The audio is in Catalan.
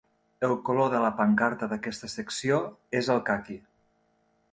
El color de la pancarta d'aquesta secció és el caqui.